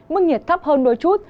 mức nhiệt thấp hơn đôi chút